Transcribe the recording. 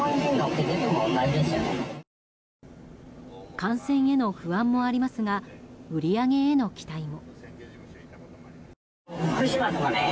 感染への不安もありますが売り上げへの期待も。